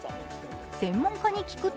専門家に聞くと